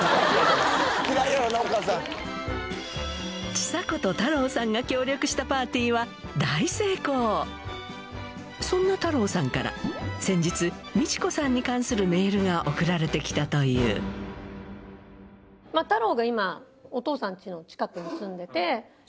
ちさ子と太郎さんが協力したパーティーは大成功そんな太郎さんから先日送られて来たという太郎が今お父さん家の近くに住んでて。